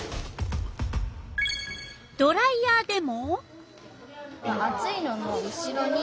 ドライヤーでも。